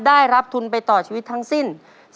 ได้รับทุนไปต่อชีวิตทั้งสิ้น